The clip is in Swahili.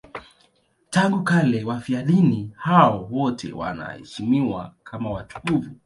Tangu kale wafiadini hao wote wanaheshimiwa kama watakatifu.